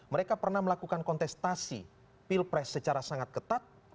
mereka pernah melakukan kontestasi pilpres secara sangat ketat